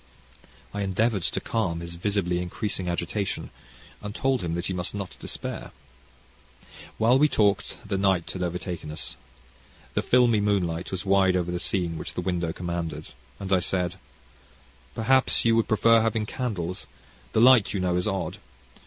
I endeavoured to calm his visibly increasing agitation, and told him that he must not despair. While we talked the night had overtaken us. The filmy moonlight was wide over the scene which the window commanded, and I said: "Perhaps you would prefer having candles. This light, you know, is odd.